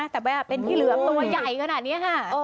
แต่เป็นที่เหลือตัวใหญ่ขนาดนี้